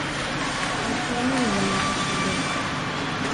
Әлфиәнең генә эше был!